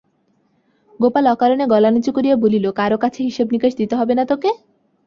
গোপাল অকারণে গলা নিচু করিয়া বলিল, কারো কাছে হিসাবনিকাশ দিতে হবে না তোকে?